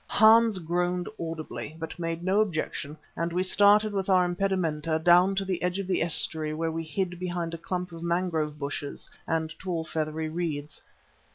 Hans groaned audibly, but made no objection and we started with our impedimenta down to the edge of the estuary where we hid behind a clump of mangrove bushes and tall, feathery reeds.